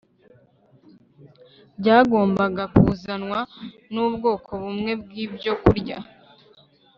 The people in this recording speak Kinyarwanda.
byagombaga kuzanwa nubwoko bumwe bwibyokurya